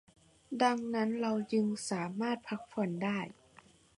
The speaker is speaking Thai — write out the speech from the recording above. ดังนั้นเราจึงสามารถพักผ่อนได้